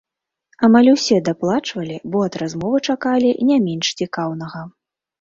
Амаль усе даплачвалі, бо ад размовы чакалі не менш цікаўнага.